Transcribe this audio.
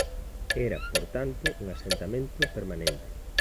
Era por tanto un asentamento permanente.